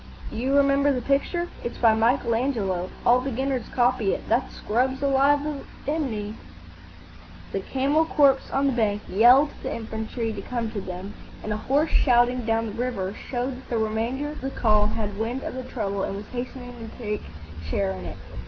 "D'you remember the picture? It's by Michael Angelo; all beginners copy it. That scrub's alive with enemy." The camel corps on the bank yelled to the infantry to come to them, and a hoarse shouting down the river showed that the remainder of the column had wind of the trouble and was hastening to take share in it.